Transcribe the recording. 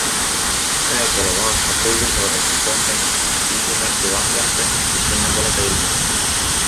Käesoleva aasta aprillis oodati Pönkät Riihimäki vanglasse, kuid sinna pole ta ilmunud.